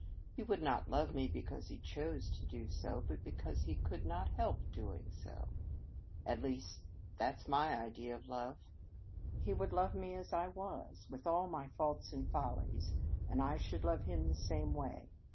He would not love me because he chose to do so, but because he could not help doing so. At least, that is my idea of love. He would love me as I was, with all my faults and follies, and I should love him the same way.